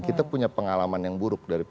kita punya pengalaman yang buruk dari